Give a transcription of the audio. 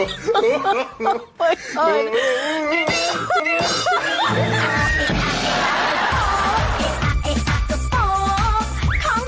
โอ้โฮโอ้โฮ